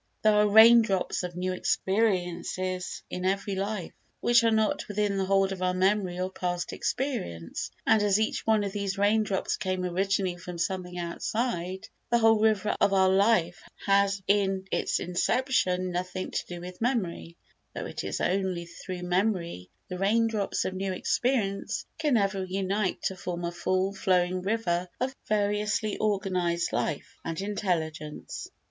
There are rain drops of new experiences in every life which are not within the hold of our memory or past experience, and, as each one of these rain drops came originally from something outside, the whole river of our life has in its inception nothing to do with memory, though it is only through memory that the rain drops of new experience can ever unite to form a full flowing river of variously organised life and intelligence.